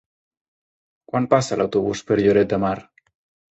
Quan passa l'autobús per Lloret de Mar?